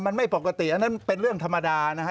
มันไม่ปกติอันนั้นเป็นเรื่องธรรมดานะฮะ